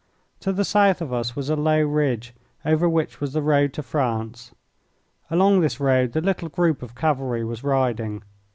To the south of us was a low ridge, over which was the road to France. Along this road the little group of cavalry was riding.